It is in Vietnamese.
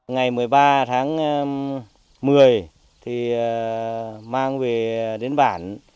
ngày một mươi ba tháng một mươi thì mang về đến bản